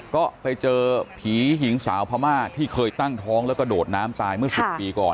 ก็ไปเจอผีหญิงสาวพม่าที่เคยตั้งท้องแล้วกระโดดน้ำตายเมื่อ๑๐ปีก่อน